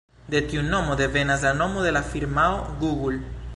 De tiu nomo devenas la nomo de la firmao Google.